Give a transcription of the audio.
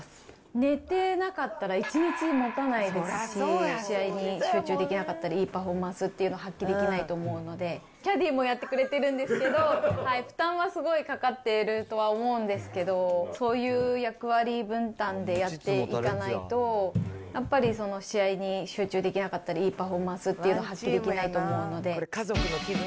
寝てなかったら一日もたないですし、試合に集中できなかったり、いいパフォーマンスっていうのを発揮できないと思うので、キャディもやってくれてるんですけど、負担はすごいかかっているとは思うんですけど、そういう役割分担でやっていかないと、やっぱり試合に集中できなかったり、いいパフォーマンスっていうの発揮できないと思うので。